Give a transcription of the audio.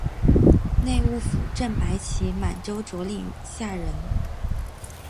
内务府正白旗满洲佐领下人。